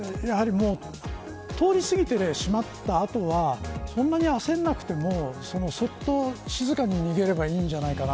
通り過ぎてしまった後はそんなに焦らなくてもそっと静かに逃げればいいんじゃないかな。